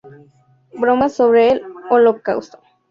Bromas sobre el Holocausto.